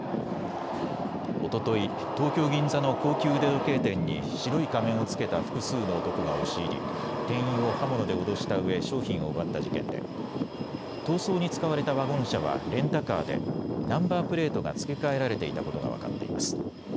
おととい、東京銀座の高級腕時計店に白い仮面を着けた複数の男が押し入り店員を刃物で脅したうえ商品を奪った事件で逃走に使われたワゴン車はレンタカーでナンバープレートが付け替えられていたことが分かっています。